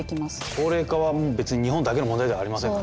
高齢化はもう別に日本だけの問題ではありませんからね。